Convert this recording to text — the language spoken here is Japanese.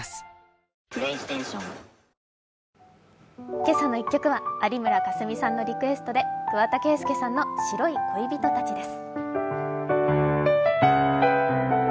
「けさの１曲」は有村架純さんのリクエストで桑田佳祐さんの「白い恋人達」です。